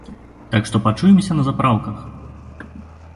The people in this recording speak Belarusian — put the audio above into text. Так што пачуемся на запраўках!